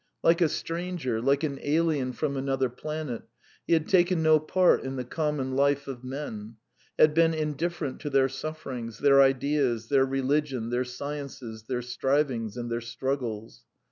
Like a stranger, like an alien from another planet, he had taken no part in the common life of men, had been indifferent to their sufferings, their ideas, their religion, their sciences, their strivings, and their struggles.